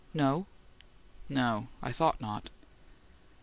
"No." "No. I thought not."